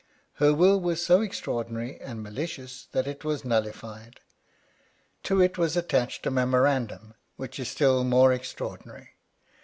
Her will was so extraordinary and malicious that it was nullified. To it was attached a memorandum, which is still more extraordinary.